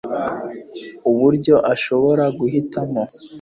uburyo ashobora guhitamo